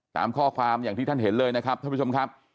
ตามข้อความอย่างที่ท่านเห็นเลยนะครับท่านผู้ชมครับ